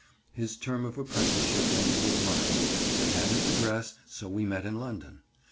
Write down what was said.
His term of apprenticeship ended with mine; I had his address, so we met in London.